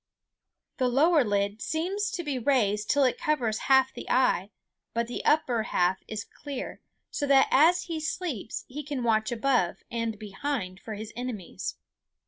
The lower lid seems to be raised till it covers half the eye; but the upper half is clear, so that as he sleeps he can watch above and behind for his enemies.